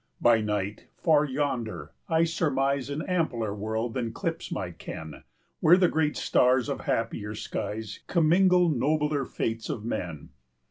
By night, far yonder, I surmise An ampler world than clips my ken, 10 Where the great stars of happier skies Commingle nobler fates of men.